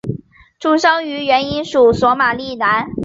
出生于原英属索马利兰。